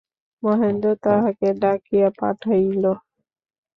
মহেন্দ্র তাহাকে ডাকিয়া পাঠাইল।